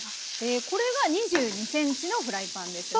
これが２２ｃｍのフライパンですね。